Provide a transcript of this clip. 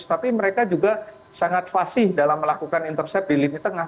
tapi mereka juga sangat fasih dalam melakukan intercept di lini tengah